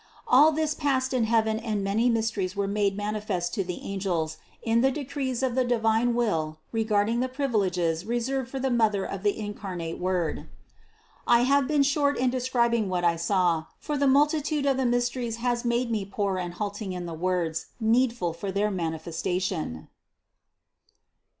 All this passed in heaven and many mysteries were made mani fest to the angels in the decrees of the divine Will re garding the privileges reserved for the Mother of the Incarnate Word." I have been short in describing what I saw; for the multitude of the mysteries has made me poor and halting in the words needful for their manifes tation.